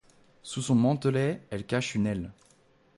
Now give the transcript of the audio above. Sous son mantelet elle cache une aile.